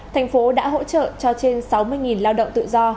thành phố đã hỗ trợ cho trên sáu mươi lao động tự do